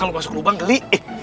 kalau masuk lubang geli